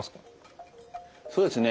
そうですね。